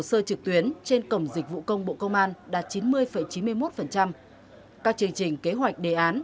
sơ trực tuyến trên cổng dịch vụ công bộ công an đạt chín mươi chín mươi một các chương trình kế hoạch đề án